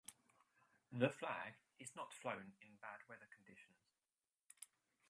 The flag is not flown in bad weather conditions.